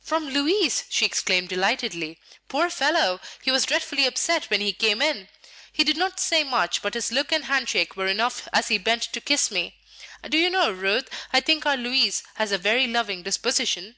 "From Louis!" she exclaimed delightedly. "Poor fellow! he was dreadfully upset when he came in. He did not say much, but his look and hand shake were enough as he bent to kiss me. Do you know, Ruth, I think our Louis has a very loving disposition?"